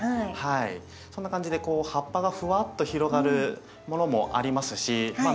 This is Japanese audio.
そんな感じでこう葉っぱがふわっと広がるものもありますしま